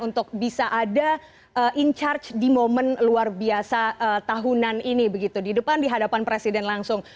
untuk bisa ada in charge di momen luar biasa tahunan ini begitu di depan di hadapan presiden langsung